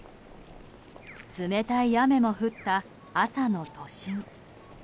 冷たい雨も降った朝の都心。